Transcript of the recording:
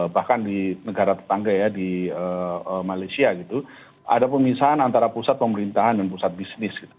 bahkan di negara tetangga ya di malaysia gitu ada pemisahan antara pusat pemerintahan dan pusat bisnis gitu